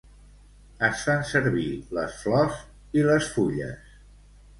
Es fan servir les flors i les fulles.